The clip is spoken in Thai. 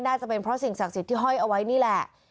น่าจะเป็นเพราะสิ่งศักดิ์สิทธิ์ที่ห้อยเอาไว้นี่แหละ